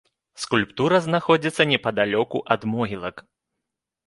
Скульптура знаходзіцца непадалёку ад могілак.